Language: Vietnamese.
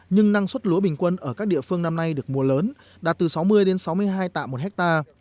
nhưng năng suất lúa bình quân ở các địa phương năm nay được mùa lớn đạt từ sáu mươi sáu mươi hai tạm một ha